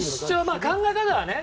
考え方はね。